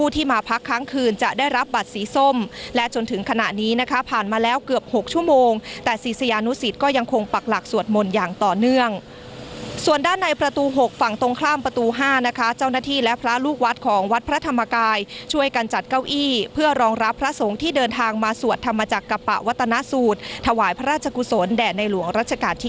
ตรงข้ามประตู๕เจ้าหน้าที่และพระลูกวัดของวัดพระธรรมกายช่วยกันจัดเก้าอี้เพื่อรองรับพระสงฆ์ที่เดินทางมาสวดธรรมจากกระปะวัตนสูตรถวายพระราชกุศลแดดในหลวงรัชกาลที่๙